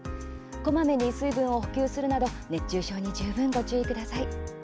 こまめに水分を補給するなど熱中症に十分ご注意ください。